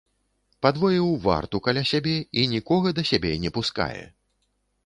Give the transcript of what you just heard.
Падвоіў варту каля сябе і нікога да сябе не пускае.